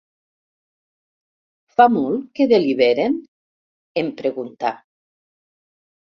Fa molt que deliberen? —em pregunta.